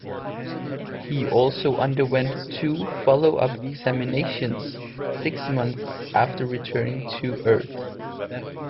He also underwent two follow-up examinations six months after returning to Earth.